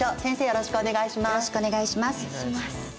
よろしくお願いします。